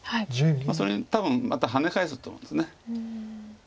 それに多分またハネ返すと思うんです。